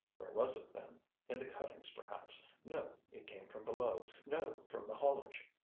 Where was it, then? In the cuttings, perhaps. No, it came from below; no, from the haulage.